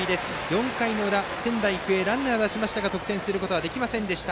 ４回裏、仙台育英ランナー出しましたが得点することはできませんでした。